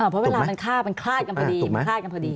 เพราะเวลามันฆ่ามันคลาดกันพอดี